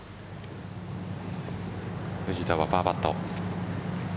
藤田はパーパット。